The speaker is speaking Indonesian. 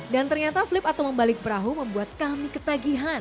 dan ternyata flip atau membalik perahu membuat kami ketagihan